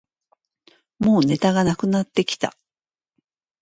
もうネタがなくなってきた